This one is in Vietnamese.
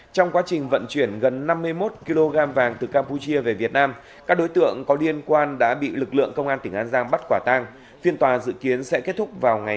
trong quá trình vận chuyển gần năm mươi một kg vàng từ campuchia về việt nam các đối tượng có liên quan đã bị lực lượng công an tỉnh an giang bắt quả tang phiên tòa dự kiến sẽ kết thúc vào ngày một mươi ba tháng tám